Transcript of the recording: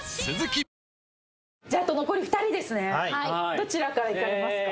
どちらからいかれますか？